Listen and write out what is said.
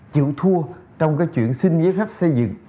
chịu thua trong cái chuyện xin nghỉ phép xây dựng